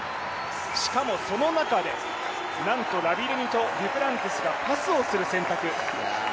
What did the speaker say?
しかもその中で、なんとラビレニとデュプランティスがパスをする選択。